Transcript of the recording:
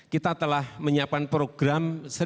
kita telah menyiapkan program